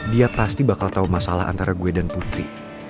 dia pasti bakal tahu masalah antara gue dan putri